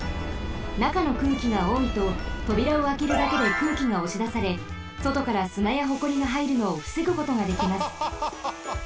なかの空気がおおいととびらをあけるだけで空気がおしだされそとからすなやホコリがはいるのをふせぐことができます。